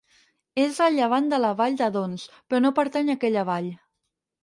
És a llevant de la vall d'Adons, però no pertany a aquella vall.